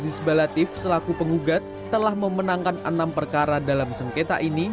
aziz balatif selaku penggugat telah memenangkan enam perkara dalam sengketa ini